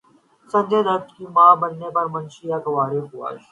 سنجے دت کی ماں بننے پرمنیشا کوئرالا خوش